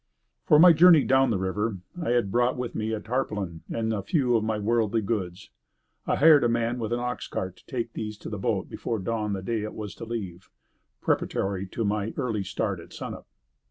For my journey down the river, I had brought with me a tarpaulin and a few of my worldly goods. I hired a man with an ox cart to take these to the boat before dawn the day it was to leave, preparatory to my early start at sunup.